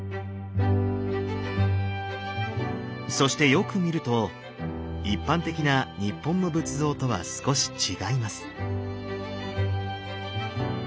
そしてよく見ると一般的な日本の仏像とは少し違います。